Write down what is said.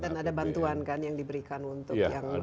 dan ada bantuan kan yang diberikan untuk yang terusakan